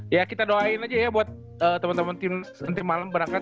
ya kita doain aja ya buat teman teman tim nanti malam berangkat